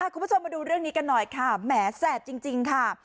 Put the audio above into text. คุณผู้ชมมาดูเรื่องนี้กันหน่อยค่ะแหมแสบจริงค่ะ